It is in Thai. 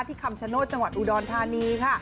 ที่คำชะโนเชียจังหวัดอุดลทานี